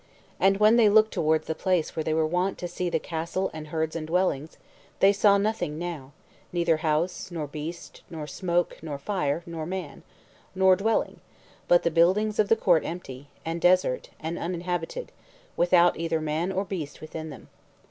And when they looked towards the place where they were wont to see the cattle and herds and dwellings, they saw nothing now, neither house, nor beast, nor smoke, nor fire, nor man, nor dwelling, but the buildings of the court empty, and desert, and uninhabited, without either man or beast within them.